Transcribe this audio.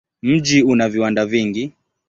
Mji una viwanda vingi.